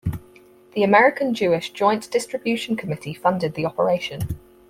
The American Jewish Joint Distribution Committee funded the operation.